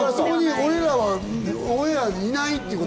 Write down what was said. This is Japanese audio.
俺らはオンエアにはいないと。